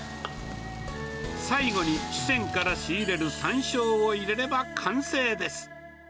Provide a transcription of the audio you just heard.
最後に四川から仕入れるさんしょうを入れれば完成です。